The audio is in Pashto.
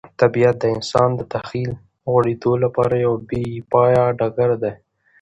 طبیعت د انسان د تخیل د غوړېدو لپاره یو بې پایه ډګر دی.